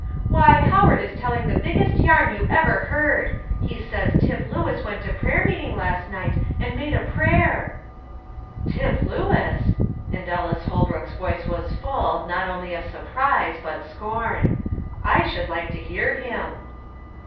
"Why, Howard is telling the biggest yarn you ever heard: he says Tip Lewis went to prayer meeting last night and made a prayer." "Tip Lewis!" and Ellis Holbrook's voice was full, not only of surprise, but scorn; "I should like to hear him."